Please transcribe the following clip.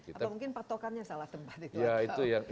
atau mungkin patokannya salah tempat itu aja